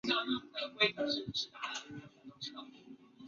林石草属为植物界之一植物属。